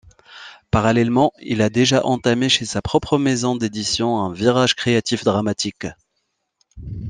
Parallèlement, il a déjà entamé chez sa propre maison d'édition un virage créatif dramatique.